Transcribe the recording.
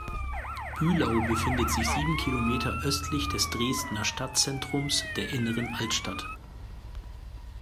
Bühlau befindet sich sieben Kilometer östlich des Dresdner Stadtzentrums, der Inneren Altstadt.